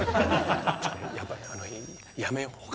やっぱりあのやめよう。